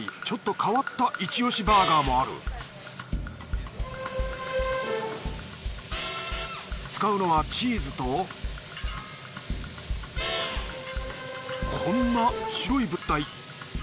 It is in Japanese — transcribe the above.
ちょっと変わったイチオシバーガーもある使うのはチーズとこんな白い物体。